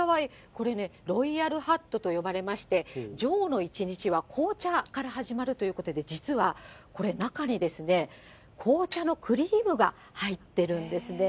これね、ロイヤルハットと呼ばれまして、女王の一日は紅茶から始まるということで、実はこれ、中にですね、紅茶のクリームが入っているんですね。